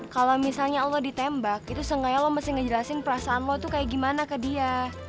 kalau misalnya allah ditembak itu sengaja lo mesti ngejelasin perasaanmu tuh kayak gimana ke dia